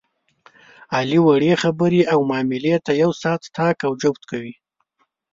علي وړې خبرې او معاملې ته یو ساعت طاق او جفت کوي.